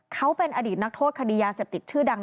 เขาเป็นอดีตนักโทษคดียาเสพติดชื่อดัง